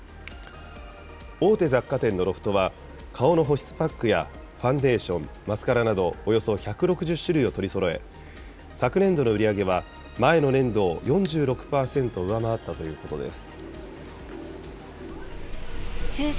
大手雑貨店のロフトは、顔の保湿パックやファンデーション、マスカラなど、およそ１６０種類を取りそろえ、昨年度の売り上げは前の年度を４６％上回ったということです。